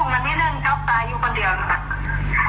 ว่าจะต้อง๗๒๖มี๙๒๖